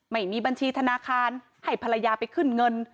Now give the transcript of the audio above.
ไม่มีบัญชีธนาคารให้ภรรยาไปขึ้นเงิน